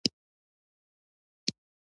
ورځه! يا به شېر شې يا ګيدړه.